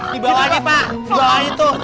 di bawahnya pak di bawah itu